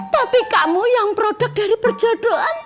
tapi kamu yang produk dari perjodohan